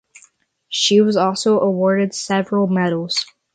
She was also awarded several medals.